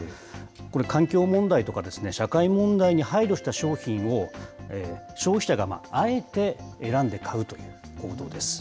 これ、環境問題とか社会問題に配慮した商品を、消費者があえて選んで買うという行動です。